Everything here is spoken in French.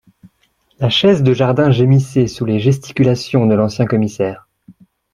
La chaise de jardin gémissait sous les gesticulations de l’ancien commissaire